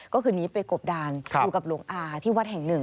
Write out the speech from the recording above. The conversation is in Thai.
ก็คือนี้ไปกบดานอยู่กับหลวงอาที่วัดแห่งหนึ่ง